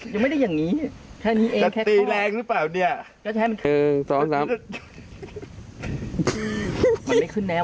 จะตีแรงหรือเปล่าเนี้ยหนึ่งสองสามมันไม่ขึ้นแล้ว